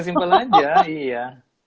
simpel aja iya